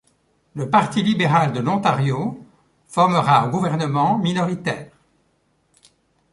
Le Parti libéral de l'Ontario formera un gouvernement minoritaire.